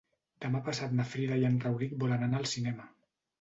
Demà passat na Frida i en Rauric volen anar al cinema.